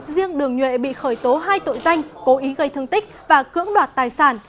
riêng đường nhuệ bị khởi tố hai tội danh cố ý gây thương tích và cưỡng đoạt tài sản